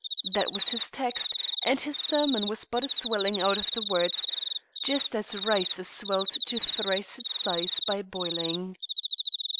That was his text, and his sermon was but a swelling out of the words just as rice is swelled to thrice its size by boiling.